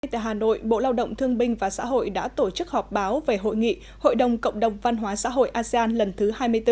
tại hà nội bộ lao động thương binh và xã hội đã tổ chức họp báo về hội nghị hội đồng cộng đồng văn hóa xã hội asean lần thứ hai mươi bốn